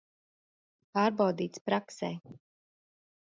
Pārbaudīts praksē.